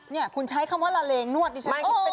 นี่คุณใช้คำว่าละเลงนวดดิฉัน